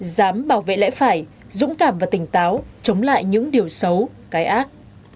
dám bảo vệ lẽ phải dũng cảm và tỉnh táo chống lại những điều xấu cái ác